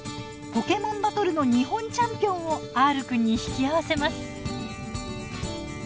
ポケモンバトルの日本チャンピオンをＲくんに引き合わせます。